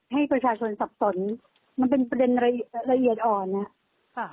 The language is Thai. ให้ประชาชนสับสนมันเป็นประเด็นละเอียดอ่อนนะค่ะ